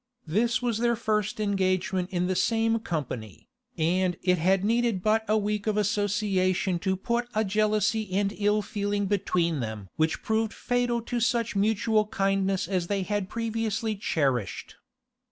This was their first engagement in the same company, and it had needed but a week of association to put a jealousy and ill feeling between them which proved fatal to such mutual kindness as they had previously cherished.